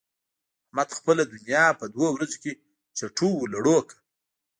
احمد خپله دونيا په دوو ورځو کې چټو و لړو کړه.